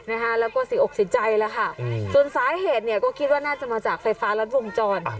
นะคะแล้วก็เสียอกเสียใจแล้วค่ะส่วนสาเหตุเนี่ยก็คิดว่าน่าจะมาจากไฟฟ้ารัดวงจร